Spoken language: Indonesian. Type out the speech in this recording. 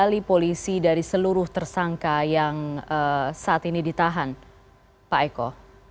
apa yang dikali polisi dari seluruh tersangka yang saat ini ditahan pak eko